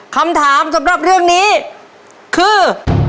คำถามสำหรับเรื่องนี้คือ